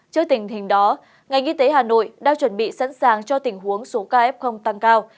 trước tình hình đó ngành y tế hà nội đang chuẩn bị sẵn sàng cho tình huống số ca f tăng cao